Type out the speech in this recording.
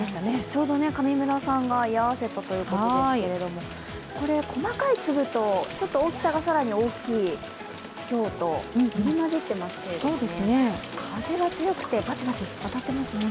ちょうど上村さんが居合わせたということですが、細かい粒とちょっと大きさが更に大きいひょうと入り交じっていますけど風が強くて、バチバチ当たっていますね。